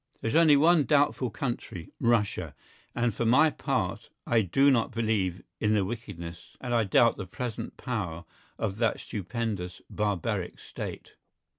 There is only one doubtful country, Russia, and for my own part I do not believe in the wickedness and I doubt the present power of that stupendous barbaric State.